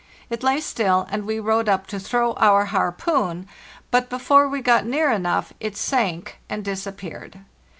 It lay still, and we rowed up to throw our harpoon; but before we got near enough it sank and disappeared.